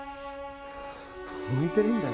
向いてねえんだよ